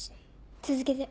続けて。